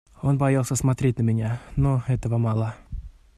Он боялся смотреть на меня, но этого мало...